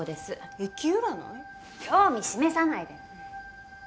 興味示さないで！